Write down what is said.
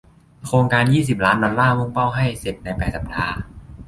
โครงการยี่สิบล้านดอลลาร์มุ่งเป้าให้เสร็จในแปดสัปดาห์